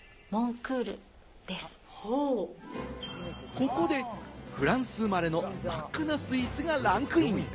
ここでフランス生まれの真っ赤なスイーツがランクイン。